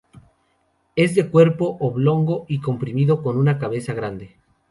Es de cuerpo oblongo y comprimido con una cabeza grande.